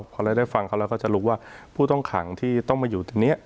พอเราได้ฟังเขาแล้วก็จะรู้ว่าผู้ต้องขังที่ต้องมาอยู่ตรงนี้